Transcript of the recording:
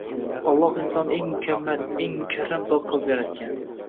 Olloh insonni eng mukammal, eng mukarram zot qilib yaratgan.